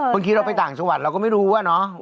บางทีเราไปต่างสวรรค์เราก็ไม่รู้ว่าเนอะ